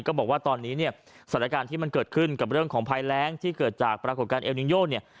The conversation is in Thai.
บอกว่าตอนนี้เนี่ยสถานการณ์ที่มันเกิดขึ้นกับเรื่องของภัยแรงที่เกิดจากปรากฏการณ์เอลนินโยเนี่ย